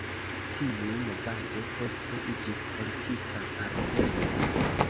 Tiu movado poste iĝis politika partio.